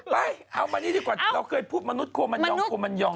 เอามานี่ดีกว่าเราเคยพูดมนุษยกลัวมันยองกลัวมันยอง